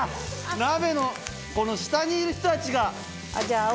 鍋のこの下にいる人たちが。